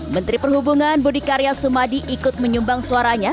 menteri perhubungan budi karya sumadi ikut menyumbang suaranya